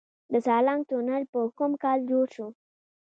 د سالنګ تونل په کوم کال جوړ شو؟